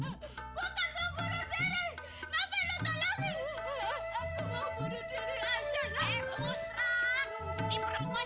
emang lu pernah nolongin gua bisa enggak lu selesaikan masalah gua